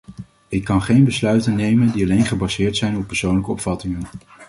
Ik kan geen besluiten nemen die alleen gebaseerd zijn op persoonlijke opvattingen.